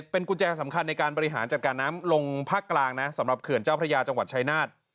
เป็นกุญแจสำคัญในการบริหารจัดการน้ำลงภาคกลางนะสำหรับเขื่อนเจ้าพระยาจังหวัดชายนาฏ